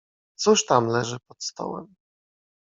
"Cóż tam leży pod stołem?"